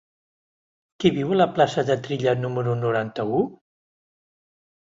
Qui viu a la plaça de Trilla número noranta-u?